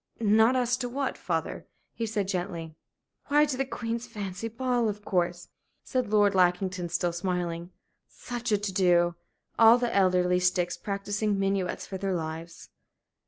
"Not asked to what, father?" he said, gently. "Why, to the Queen's fancy ball, of course," said Lord Lackington, still smiling. "Such a to do! All the elderly sticks practising minuets for their lives!"